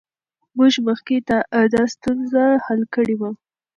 موږ مخکې دا ستونزه حل کړې وه.